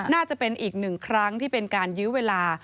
น่าจะเป็นอีกหนึ่งครั้งที่เป็นการยื้อเวลา